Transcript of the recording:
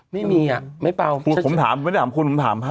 ไม่มีอะไม่เปล่าคุณผมถามไม่ได้ถามคุณผมถาม